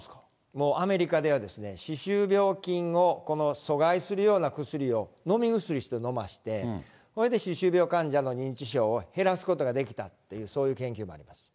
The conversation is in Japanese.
もうアメリカでは、歯周病菌をこの阻害するような薬を、飲み薬として飲まして、それで歯周病患者の認知症を減らすことができたっていう、そういう研究もあります。